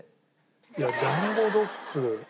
いやジャンボドック。